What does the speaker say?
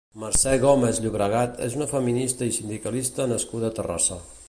Mercè Gómez Llobregat és una feminista i sindicalista nascuda a Terrassa.